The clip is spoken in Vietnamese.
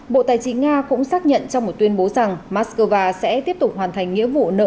bộ tài chính nga cũng xác nhận trong một tuyên bố rằng moscow sẽ tiếp tục hoàn thành nghĩa vụ nợ